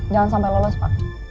jangan sampai lolos pak